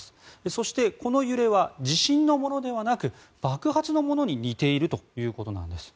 そして、この揺れは地震のものではなく爆発のものに似ているということなんです。